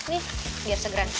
nih biar segera